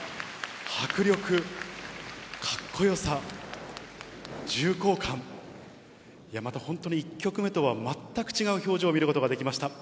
迫力、かっこよさ、重厚感、また本当に１曲目とは全く違う表情を見ることができました。